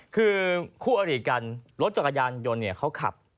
คือคู่อริกันรถจักรยานยนต์เนี่ยเขาขับ